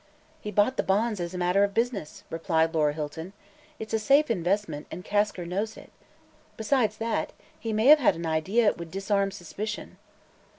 "He bought the bonds as a matter of business," replied Laura Hilton. "It's a safe investment, and Kasker knows it. Besides that, he may have an idea it would disarm suspicion."